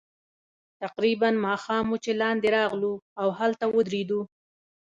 تقریباً ماښام وو چې لاندې راغلو، او هلته ورسېدو.